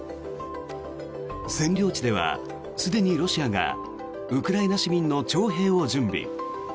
占領地では、すでにロシアがウクライナ市民の徴兵を準備。